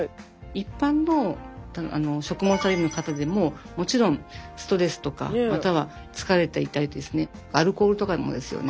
一般の食物アレルギーの方でももちろんストレスとかまたは疲れていたりですねアルコールとかもですよね